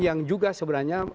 yang juga sebenarnya